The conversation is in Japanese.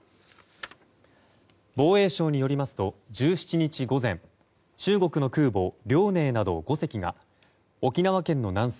防衛省によりますと１７日午前中国の空母「遼寧」など５隻が沖縄県の南西